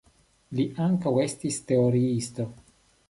Li estis ankaŭ teoriisto.